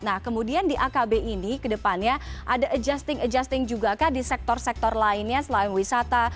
nah kemudian di akb ini ke depannya ada adjusting adjusting juga kah di sektor sektor lainnya selain wisata